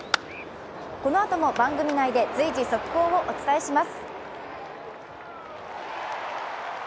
このあとも番組内で随時速報をお伝えします。